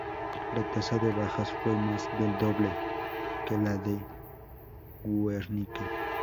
La tasa de bajas fue más del doble que la de Guernica.